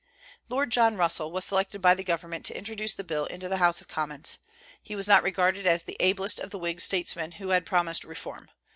Lord John Russell was selected by the government to introduce the bill into the House of Commons. He was not regarded as the ablest of the Whig statesmen who had promised reform.